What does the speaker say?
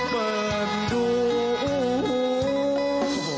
เปิดดู